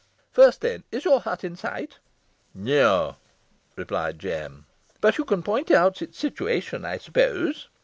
"First, then, is your hut in sight?" asked Potts. "Neaw," replied Jem. "But you can point out its situation, I suppose?"